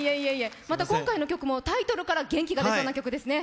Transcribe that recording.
また今回の曲もタイトルから元気が出そうな曲ですね。